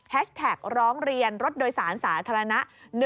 แท็กร้องเรียนรถโดยสารสาธารณะ